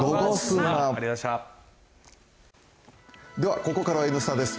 ここからは「Ｎスタ」です。